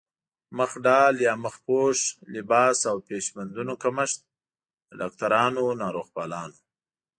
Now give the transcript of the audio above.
مخ ډال يا مخ پوښ، لباس او پيش بندونو کمښت د ډاکټرانو، ناروغپالانو